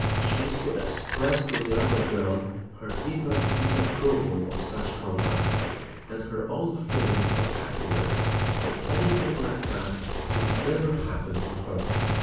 She is to express to the other girl her deepest disapproval of such conduct and her own feeling of happiness that anything like that could never happen to her.